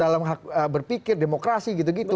dalam hak berpikir demokrasi gitu gitu